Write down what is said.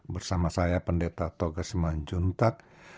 bersama saya pendeta toga semanjuntak